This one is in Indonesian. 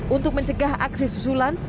untuk mencegah aksi susulan